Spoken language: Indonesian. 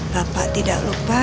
bapak tidak lupa